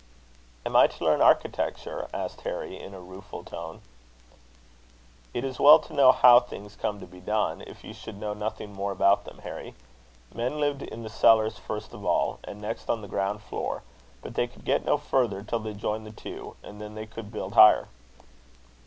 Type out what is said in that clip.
"Am I to learn architecture?" asked Harry, in a rueful tone. "It is well to know how things came to be done, if you should know nothing more about them, Harry. Men lived in the cellars first of all, and next on the ground floor; but they could get no further till they joined the two, and then they could build higher."